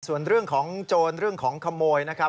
ส่วนเรื่องของโจรเรื่องของขโมยนะครับ